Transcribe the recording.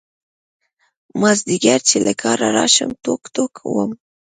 مازدیگر چې له کاره راشم ټوک ټوک وم.